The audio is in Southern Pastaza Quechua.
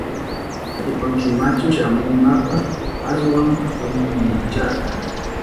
¿Atipankimachu shamunata ashwan punchara?